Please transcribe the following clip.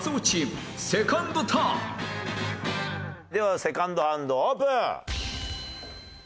ではセカンドハンドオープン！